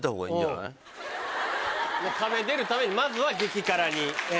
『壁』に出るためにまずは激辛に。